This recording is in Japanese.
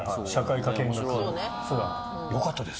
よかったです。